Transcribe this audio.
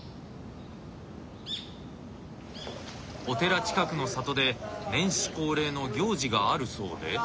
お寺近くの里で年始恒例の行事があるそうで。